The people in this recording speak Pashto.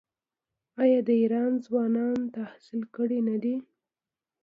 آیا د ایران ځوانان تحصیل کړي نه دي؟